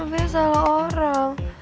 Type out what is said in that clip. maaf ya salah orang